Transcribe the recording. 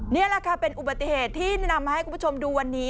นี่แหละค่ะเป็นอุบัติเหตุที่นำมาให้คุณผู้ชมดูวันนี้